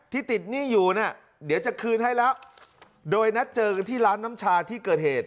ติดหนี้อยู่เนี่ยเดี๋ยวจะคืนให้แล้วโดยนัดเจอกันที่ร้านน้ำชาที่เกิดเหตุ